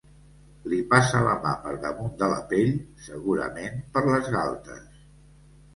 Li passa la mà per damunt de la pell, segurament per les galtes.